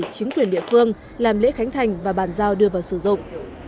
chính quyền địa phương làm lễ khánh thành và bàn giao đưa vào sử dụng